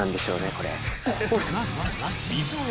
これ。